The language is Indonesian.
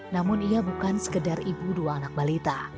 namun ia bukan sekedar ibu dua anak balita